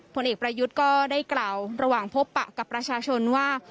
ผลเอกประยุทธ์ก็ได้กล่าวระหว่างพบปะกับประชาชนว่า